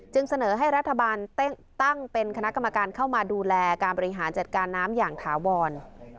เสนอให้รัฐบาลตั้งเป็นคณะกรรมการเข้ามาดูแลการบริหารจัดการน้ำอย่างถาวร